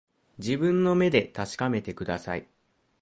自分の目で確かめてください